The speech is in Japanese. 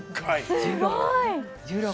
すごい！